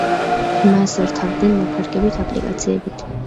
მას რთავდნენ ნაქარგებით, აპლიკაციებით.